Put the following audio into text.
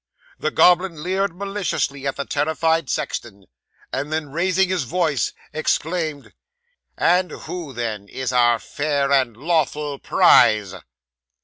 'The goblin leered maliciously at the terrified sexton, and then raising his voice, exclaimed '"And who, then, is our fair and lawful prize?"